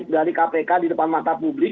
dari kpk di depan mata publik